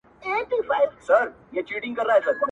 زما له لاسه تر سږمو چي كلى كور سو٫